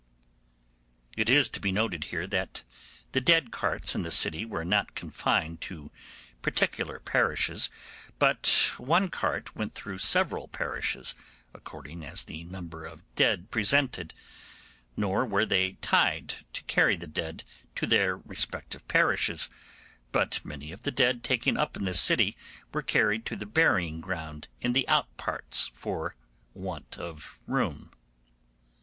It is to be noted here that the dead carts in the city were not confined to particular parishes, but one cart went through several parishes, according as the number of dead presented; nor were they tied to carry the dead to their respective parishes, but many of the dead taken up in the city were carried to the burying ground in the out parts for want of room.